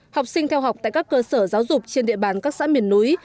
học sinh theo học tại các cơ sở giáo dục trên địa bàn các xã miền núi